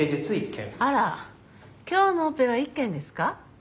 あら今日のオペは１件ですか？